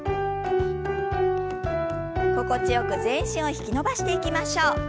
心地よく全身を引き伸ばしていきましょう。